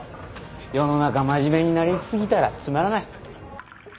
世の中真面目になり過ぎたらつまらない。